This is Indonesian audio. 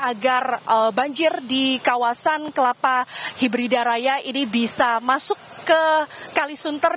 agar banjir di kawasan kelapa hibrida raya ini bisa masuk ke kalisunter